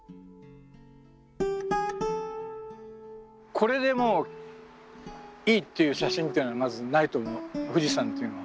これでもういいっていう写真っていうのはまずないと思う富士山っていうのは。